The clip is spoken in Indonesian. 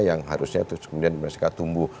yang harusnya terus kemudian mereka tumbuh